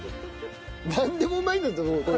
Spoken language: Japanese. なんでもうまいんだと思うこれ。